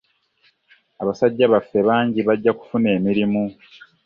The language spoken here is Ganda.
Abasajja baffe bangi bajja kufuna emirimu.